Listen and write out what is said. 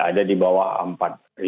ada di bawah empat